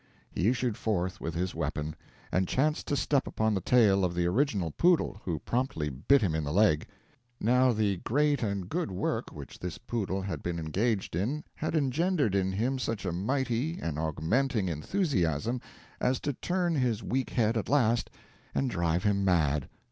He issued forth with his weapon, and chanced to step upon the tail of the original poodle, who promptly bit him in the leg. Now the great and good work which this poodle had been engaged in had engendered in him such a mighty and augmenting enthusiasm as to turn his weak head at last and drive him mad.